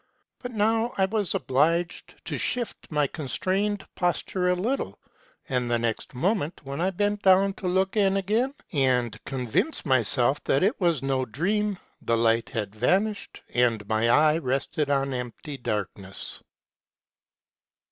But how I was obliged to shift my constrained posture a little ; and the next moment, when I bent down to look in again, and convince myself that it was no dream, the light had vanished, and my eye rested on empty darkness.